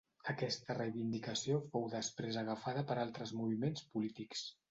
Aquesta reivindicació fou després agafada per altres moviments polítics.